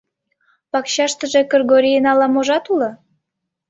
Пакчаштыже Кыргорийын ала-можат уло.